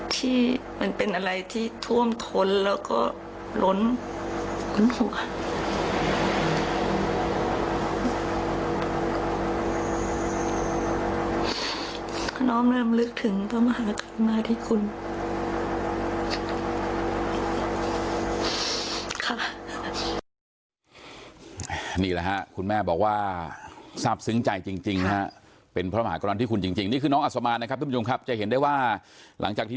ที่มันเป็นอะไรที่ท่วมทนแล้วก็หลนหัว